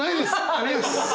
ありがとうございます。